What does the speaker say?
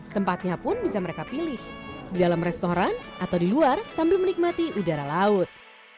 tempatnya pun bisa mereka pilih di dalam restoran atau di luar sambil menikmati udara laut